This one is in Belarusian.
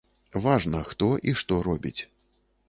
Важна, хто і што робіць.